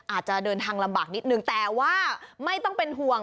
อาจจะเดินทางลำบากนิดนึงแต่ว่าไม่ต้องเป็นห่วง